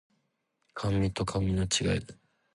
甘味と甘味の違い